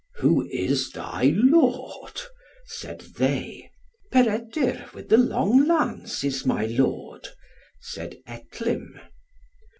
"Who is thy lord?" said they. "Peredur with the long lance is my lord," said Etlym.